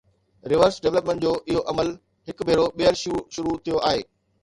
Reverse development جو اهو عمل هڪ ڀيرو ٻيهر شروع ٿيو آهي.